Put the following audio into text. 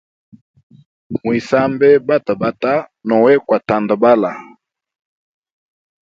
Mwisambe batabata nowe kwa tandabala.